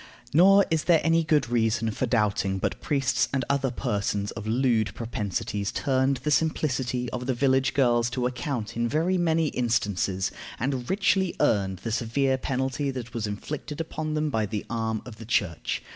Nor is there any good reason for doubting but priests and other persons of lewd propensities turned the simplicity of the village girls to account in very many instances, and richly earned the severe penalty that was inflicted upon them by the arm of the Church.